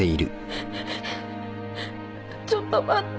ちょっと待って。